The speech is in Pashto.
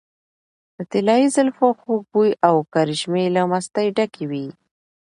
د طلايي زلفو خوږ بوي او کرشمې له مستۍ ډکې وې .